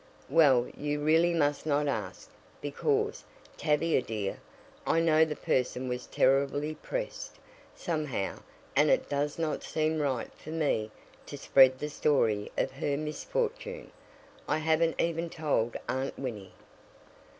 "Well, you really must not ask, because, Tavia, dear, I know the person was terribly pressed, somehow, and it does not seem right for me to spread the story of her misfortune. I haven't even told Aunt Winnie."